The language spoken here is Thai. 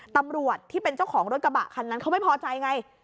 ตำรวจที่เป็นเจ้าของรถกระบะคันนั้นเขาไม่พอใจไง